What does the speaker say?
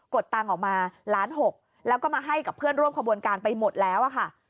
ดตังค์ออกมาล้านหกแล้วก็มาให้กับเพื่อนร่วมขบวนการไปหมดแล้วอะค่ะ